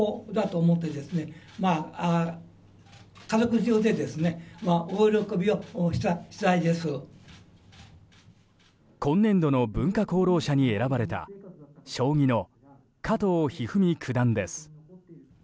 ピンポーン今年度の文化功労者に選ばれた将棋の加藤一二三九段です。